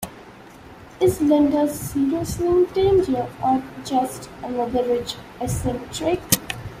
Is Linder seriously in danger or just another rich eccentric?